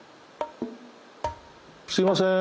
すいません。